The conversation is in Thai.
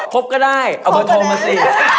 ก็ได้เอาเบอร์โทรมาสิ